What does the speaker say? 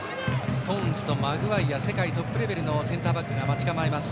ストーンズとマグワイア世界トップレベルのセンターバックが待ち構える。